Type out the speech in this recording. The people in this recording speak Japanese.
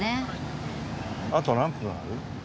あと何分ある？